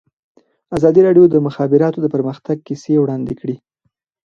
ازادي راډیو د د مخابراتو پرمختګ کیسې وړاندې کړي.